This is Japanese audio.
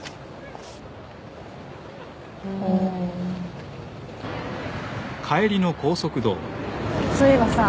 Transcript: ほうそういえばさ